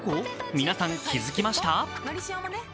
皆さん、気づきました？